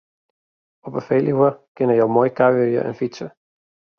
Op 'e Feluwe kinne jo moai kuierje en fytse.